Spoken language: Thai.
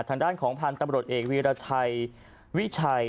ทางด้านของพันธุ์ตำรวจเอกวีรชัยวิชัย